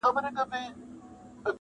غټ غټ راته ګوري ستا تصویر خبري نه کوي,